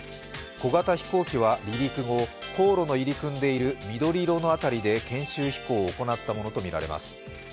小型飛行機は離陸後航路の入り組んでいる緑色の辺りで研修飛行を行ったものとみられます。